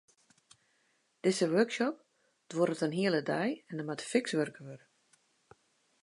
Dizze workshop duorret in hiele dei en der moat fiks wurke wurde.